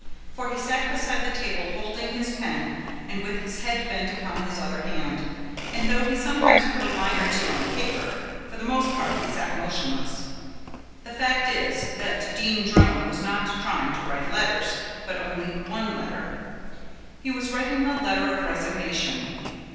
For he sat beside the table holding his pen and with his head bent upon his other hand, and though he sometimes put a line or two on the paper, for the most part he sat motionless. The fact is that Dean Drone was not trying to write letters, but only one letter. He was writing a letter of resignation.